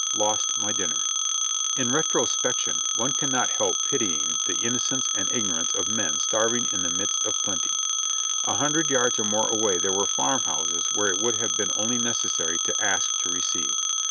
Lost my dinner." In retrospection one cannot help pitying the innocence and ignorance of men starving in the midst of plenty. A hundred vards or more away there were farm houses where it would have been only necessary to ask to receive.